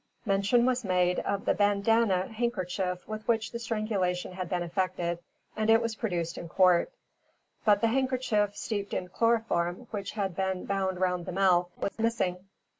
Mention was made of the bandana handkerchief with which the strangulation had been effected, and it was produced in court; but the handkerchief steeped in chloroform which had been bound round the mouth was missing.